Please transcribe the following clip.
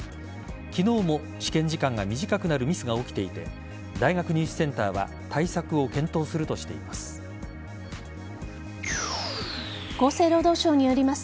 昨日も試験時間が短くなるミスが起きていて大学入試センターは対策を検討するとしています。